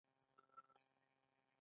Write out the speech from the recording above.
د دې پۀ مقابله کښې غېر موسمي فروټس